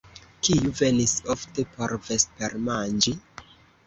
Kiu venis ofte por vespermanĝi?